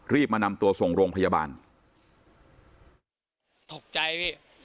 มานำตัวส่งโรงพยาบาลตกใจพี่